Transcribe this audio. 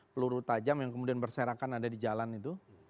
peluru tajam yang kemudian berserakan ada di jalan itu